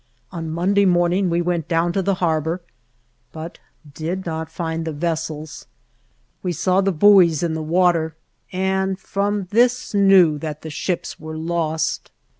On Monday morning we went down to the harbor, but did not find the ves sels. We saw the buoys in the water, and from this knew that the ships were lost.